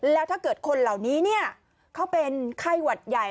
แล้วถ้าเกิดคนเหล่านี้เขาเป็นไข้หวัดใหญ่